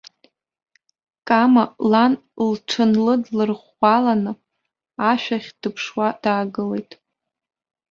Кама лан лҽынлыдырӷәӷәаланы ашәахь дыԥшуа даагылеит.